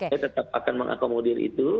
saya tetap akan mengakomodir itu